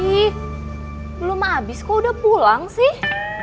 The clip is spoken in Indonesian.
ih belum habis kok udah pulang sih